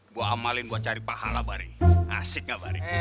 gue amalin cari pahala bari asik gak bari